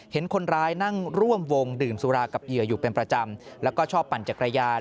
เห็นคนร้ายนั่งร่วมวงดื่มสุรากับเหยื่ออยู่เป็นประจำแล้วก็ชอบปั่นจักรยาน